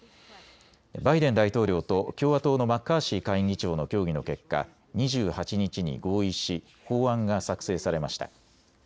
バイデン大統領と共和党のマッカーシー下院議長の協議の結果、２８日に合意し法案が作成されました。